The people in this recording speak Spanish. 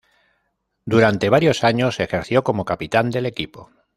Durante varios años ejerció como capitán del equipo.